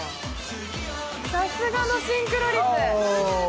さすがのシンクロ率。